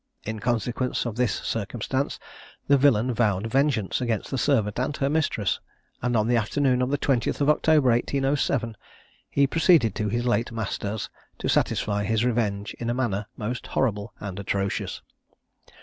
In consequence of this circumstance, the villain vowed vengeance against the servant and her mistress, and on the afternoon of the 20th of October, 1807, he proceeded to his late master's to satisfy his revenge in a manner most horrible and atrocious.